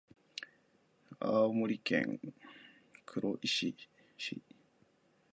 青森県黒石市